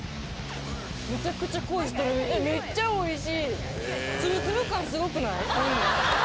めっちゃおいしい！